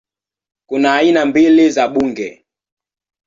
Kuna aina mbili za bunge